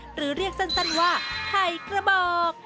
หรือเรียกสั้นว่าไข่กระบอก